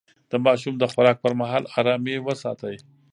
د ماشوم د خوراک پر مهال ارامي وساتئ.